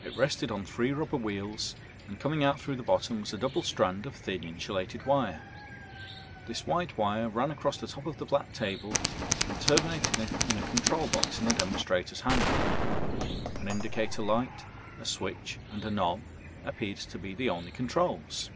It rested on three rubber wheels and coming out through the bottom was a double strand of thin insulated wire. This white wire ran across the top of the black table and terminated in a control box in the demonstrator's hand. An indicator light, a switch and a knob appeared to be the only controls.